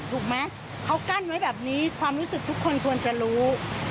ถูกไหมเขากั้นไว้แบบนี้ความรู้สึกทุกคนควรจะรู้